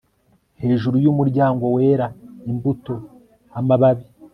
Hejuru yumuryango wera imbuto amababi